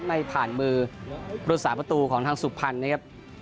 ไม่ผ่านมือบริษัทประตูของทางสุภัณฑ์นะครับ